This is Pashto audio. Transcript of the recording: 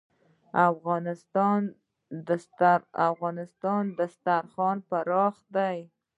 د افغانستان دسترخان پراخ دی